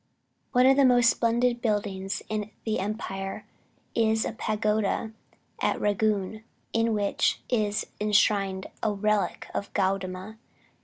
One of the most splendid buildings in the empire is a pagoda at Rangoon, in which is enshrined a relic of Gaudama.